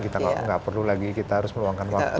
kita nggak perlu lagi kita harus meluangkan waktu